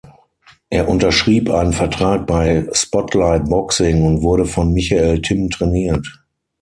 Er unterschrieb einen Vertrag bei Spotlight Boxing und wurde von Michael Timm trainiert.